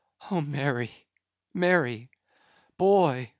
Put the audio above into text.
—Oh Mary! Mary!—boy!